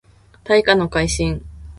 大化の改新